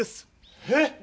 えっ？